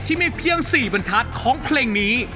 ที่มีเพียง๔บรรทัดของเพลงนี้